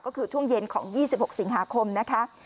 ก็คือช่วงเย็นของ๒๖สิงหาคมนะคะ